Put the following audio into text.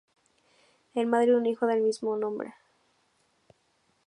Es madre de un hijo del mismo nombre.